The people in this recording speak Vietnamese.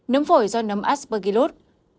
nấm phổi do nấm aspergillus